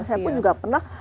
saya pun juga pernah